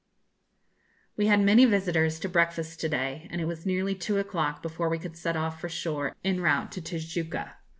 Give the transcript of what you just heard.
We had many visitors to breakfast to day, and it was nearly two o'clock before we could set off for the shore en route to Tijuca.